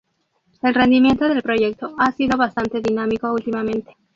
El rendimiento del proyecto ha sido bastante dinámico últimamente.